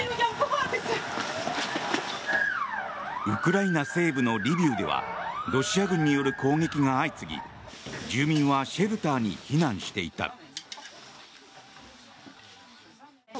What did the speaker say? ウクライナ西部のリビウではロシア軍による攻撃が相次ぎ住民はシェルターに避難していた。